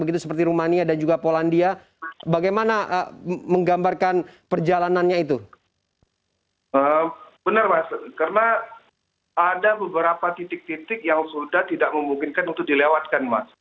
karena ada beberapa tempat yang sudah tidak memungkinkan untuk dilewatkan